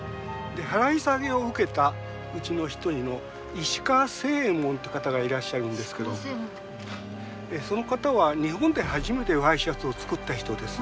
払い下げを受けたうちの一人の石川清右衛門っていう方がいらっしゃるんですけどもその方は日本で初めてワイシャツを作った人です。